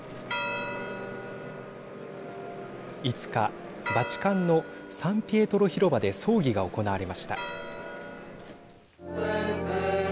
５日バチカンのサンピエトロ広場で葬儀が行われました。